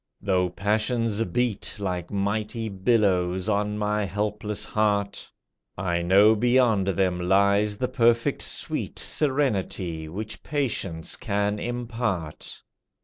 Though passions beat Like mighty billows on my helpless heart, I know beyond them lies the perfect sweet Serenity, which patience can impart.